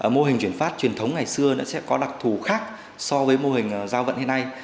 mô hình chuyển phát truyền thống ngày xưa nó sẽ có đặc thù khác so với mô hình giao vận hiện nay